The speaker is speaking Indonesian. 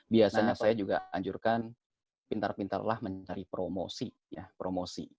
biasanya saya juga anjurkan pintar pintarlah mencari promosi